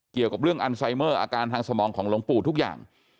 เกี่ยวกับเรื่องอันไซเมอร์อาการทางสมองของหลวงปู่ทุกอย่าง